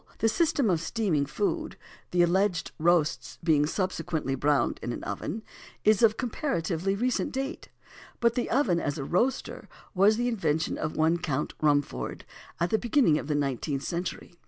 The system of steaming food (the alleged "roasts" being subsequently browned in an oven) is of comparatively recent date; but the oven as a roaster was the invention of one Count Rumford, at the beginning of the nineteenth century.